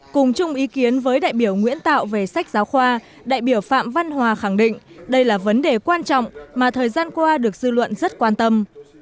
cùng chung ý kiến với đại biểu nguyễn tạo về sách giáo khoa đại biểu phạm văn hòa khẳng định đây là vấn đề quan trọng mà thời gian qua được dư luận rất quan tâm